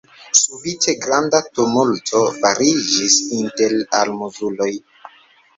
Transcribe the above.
Subite granda tumulto fariĝis inter almozuloj.